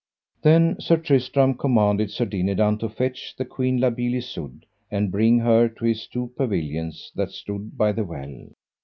Then Sir Tristram commanded Sir Dinadan to fetch the queen La Beale Isoud, and bring her to his two pavilions that stood by the well.